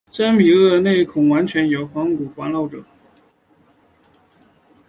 真鳄类的内鼻孔完全由翼骨环绕者。